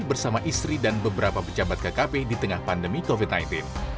bersama istri dan beberapa pejabat kkp di tengah pandemi covid sembilan belas